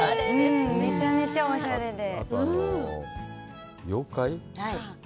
めちゃめちゃおしゃれで。